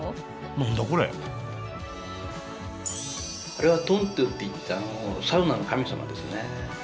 あれはトントゥっていってサウナの神様ですね。